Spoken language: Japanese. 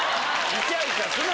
イチャイチャすんな！